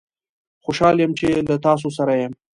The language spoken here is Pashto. خوشحال یم چې له تاسوسره یم